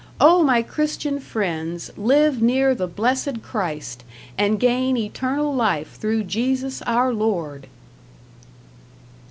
Oh, my Christian friends, live near the Blessed Christ, and gain eternal life through Jesus Our Lord!